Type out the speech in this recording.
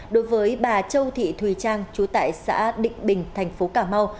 đối với bà châu thị thùy trang chú tại xã định bình thành phố cà mau